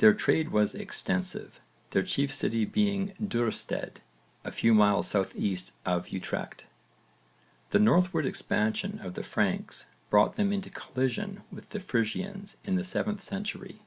Their trade was extensive, their chief city being Duurstede a few miles south east of Utrecht. The northward expansion of the Franks brought them into collision with the Frisians in the 7th century.